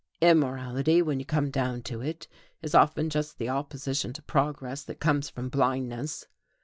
Immorality, when you come down to it, is often just the opposition to progress that comes from blindness.